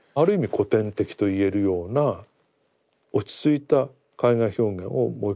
古典的と言えるような落ち着いた絵画表現をもう一回模索すると。